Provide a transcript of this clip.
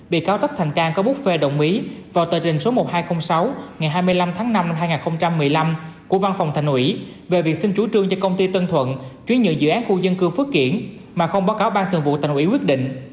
bị cáo tất thành cang có bút phê đồng ý vào tờ trình số một nghìn hai trăm linh sáu ngày hai mươi năm tháng năm năm hai nghìn một mươi năm của văn phòng thành ủy về việc xin chủ trương cho công ty tân thuận chuyển nhượng dự án khu dân cư phước kiển mà không báo cáo ban thường vụ thành ủy quyết định